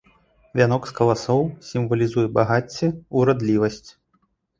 Вянок з каласоў сімвалізуе багацце, урадлівасць.